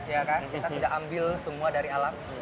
ya kan kita sudah ambil semua dari alam